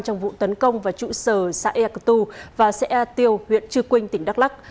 trong vụ tấn công vào trụ sở xã ea cơ tu và xã e tiêu huyện trư quynh tỉnh đắk lắc